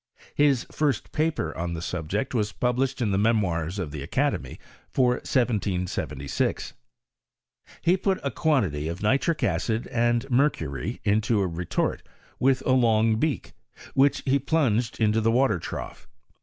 His first paper on the subject was published, in the Memoirs of the Academy, for 1 776 , He put a quantity of nitric acid and mercury into a retort with a long beak, which he plunged into the water trough.